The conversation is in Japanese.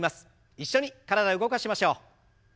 一緒に体動かしましょう。